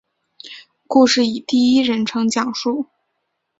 故事以第一人称讲述。